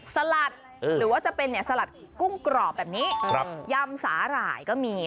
สลัดหรือว่าจะเป็นสลัดกุ้งกรอบแบบนี้ยำสาหร่ายก็มี